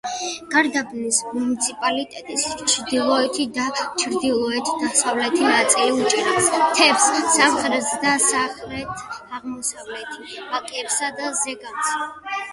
გარდაბნის მუნიციპალიტეტის ჩრდილოეთი და ჩრდილოეთ-დასავლეთი ნაწილი უჭირავს მთებს, სამხრეთ და სამხრეთ-აღმოსავლეთი ვაკეებსა და ზეგანს.